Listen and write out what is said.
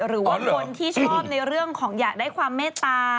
หรือว่าคนที่ชอบในเรื่องของอยากได้ความเมตตา